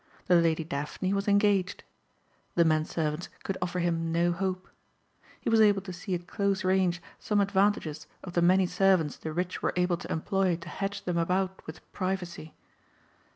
The Lady Daphne was engaged. The men servants could offer him no hope. He was able to see at close range some advantages of the many servants the rich were able to employ to hedge them about with privacy.